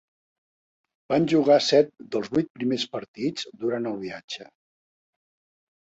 Van jugar set dels vuit primers partits durant el viatge.